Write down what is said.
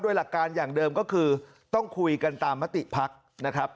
หลักการอย่างเดิมก็คือต้องคุยกันตามมติภักดิ์นะครับ